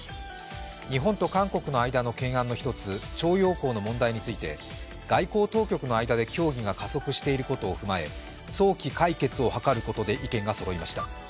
日本と韓国の間の懸案の１つ、徴用工問題について外交当局の間で協議が加速していることを踏まえ早期解決を図ることで一致しました。